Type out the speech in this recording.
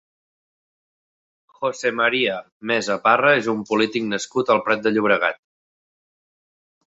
José María Mesa Parra és un polític nascut al Prat de Llobregat.